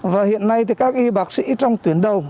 và hiện nay thì các y bác sĩ trong tuyến đầu